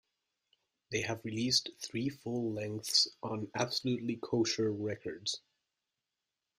They have released three full lengths on Absolutely Kosher Records.